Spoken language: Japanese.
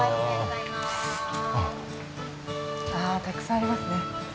たくさんありますね。